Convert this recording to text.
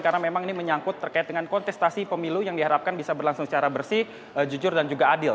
karena memang ini menyangkut terkait dengan kontestasi pemilu yang diharapkan bisa berlangsung secara bersih jujur dan juga adil